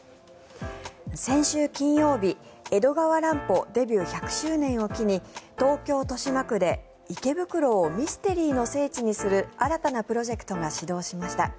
先週金曜日、江戸川乱歩デビュー１００周年を機に東京・豊島区で池袋をミステリーの聖地にする新たなプロジェクトが始動しました。